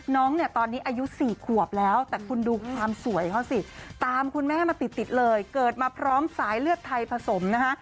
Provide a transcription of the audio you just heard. น้องเนี่ยตอนนี้อายุ๔ขวบแล้วแต่คุณดูความสวยเขาสิตามคุณแม่มาติดเลยเกิดมาพร้อมสายเลือดไทยผสมนะคะ